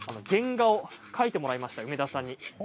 原画を描いてもらいました梅田さんに。